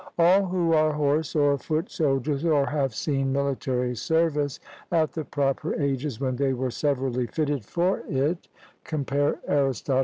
All who are horse or foot soldiers, or have seen military service at the proper ages when they were severally fitted for it (compare Arist.